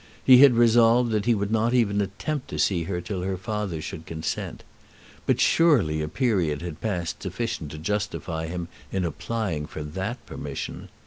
He had resolved that he would not even attempt to see her till her father should consent. But surely a period had passed sufficient to justify him in applying for that permission.